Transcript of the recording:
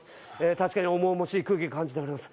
確かに重々しい空気が感じております